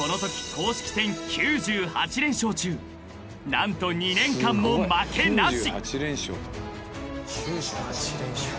［何と２年間も負けなし］